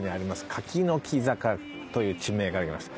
柿の木坂という地名がありました。